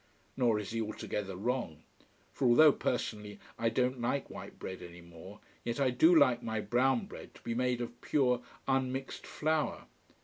Nor is he altogether wrong. For although, personally, I don't like white bread any more, yet I do like my brown bread to be made of pure, unmixed flour.